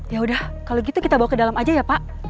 ya udah kalau gitu kita bawa ke dalam aja ya pak